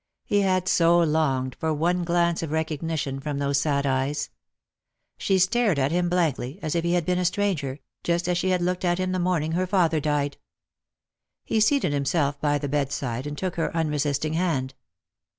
He had so longed for one glance of recognition from those sad eyes. Lost for Love. 237 She stared at him blankly, as if he had been a stranger, just as she had looked at him the morning her father died. He seated himself by the bedside, and took her unresisting hand.